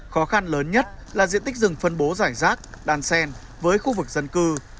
khó khăn lớn nhất là diện tích rừng phân bố giải rác đàn sen với khu vực dân cư